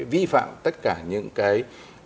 vi phạm tất cả những cái